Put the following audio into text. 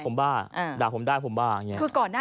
ผมบ้าด่าผมได้ผมบ้าอย่างนี้